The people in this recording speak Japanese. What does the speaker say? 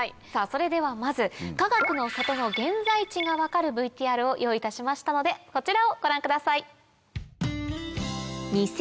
それではまずかがくの里の現在地が分かるＶＴＲを用意いたしましたのでこちらをご覧ください。